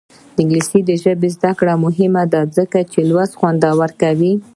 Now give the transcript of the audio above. د انګلیسي ژبې زده کړه مهمه ده ځکه چې لوستل خوندور کوي.